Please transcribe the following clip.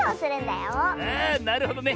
あなるほどね。